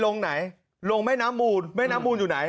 ลงไหนลงแม่น้ำมูลแม่น้ำมูลอยู่ไหน